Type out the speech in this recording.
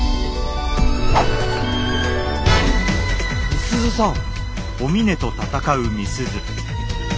美鈴さん。